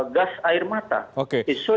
gas air mata oke disusul